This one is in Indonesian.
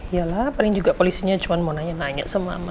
ya lah paling juga polisinya cuma mau nanya nanya sama mama